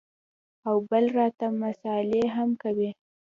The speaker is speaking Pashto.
او بل راته مسالې هم کوې.